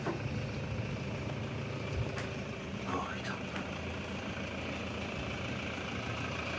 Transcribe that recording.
ああいたんだ。